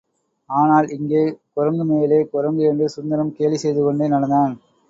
ஆனால், இங்கே குரங்குமேலே குரங்கு என்று சுந்தரம் கேலி செய்துகொண்டே நடந்தான்.